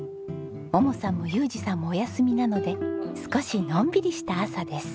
桃さんも裕次さんもお休みなので少しのんびりした朝です。